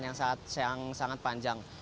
kemacetan yang sangat panjang